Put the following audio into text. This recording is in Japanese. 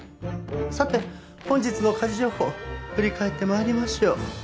さて本日の家事情報振り返って参りましょう。